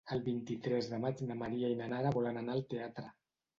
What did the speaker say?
El vint-i-tres de maig na Maria i na Nara volen anar al teatre.